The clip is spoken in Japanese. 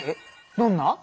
どんな？